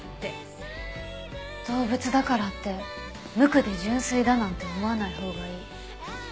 動物だからって無垢で純粋だなんて思わないほうがいい。